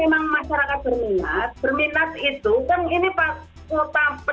ini menimbulkan sebagian pemburu pemburu resma gitu loh